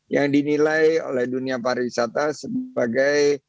yang dinilai oleh dunia para wisata sebagai